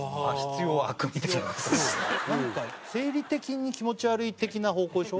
なんか生理的に気持ち悪い的な方向でしょ？